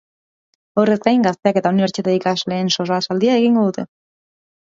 Horrez gain, gazteak eta unibertsitate ikasleen solasaldia egingo dute.